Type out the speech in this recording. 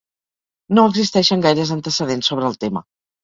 No existeixen gaires antecedents sobre el tema.